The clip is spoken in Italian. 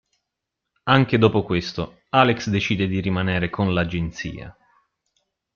Anche dopo questo, Alex decide di rimanere con l'Agenzia.